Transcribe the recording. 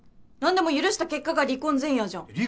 何でも許した結果が離婚前夜じゃん。